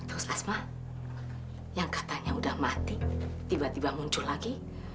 terus asma yang katanya udah mati tiba tiba muncul lagi